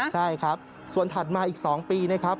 ใช่ครับส่วนถัดมาอีก๒ปีนะครับ